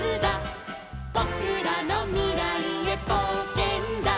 「ぼくらのみらいへぼうけんだ」